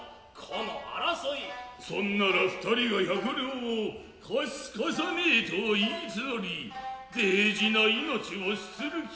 そんなら二人が百両を貸す貸さねえと言いつのり大事な命を捨つる気か。